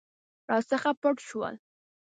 راڅخه پټ شول.